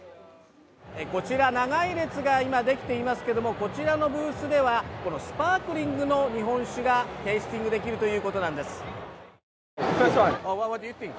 こちら長い列が今できていますけれども、こちらのブースではこのスパーリングの日本酒がテイスティングできるということなんです。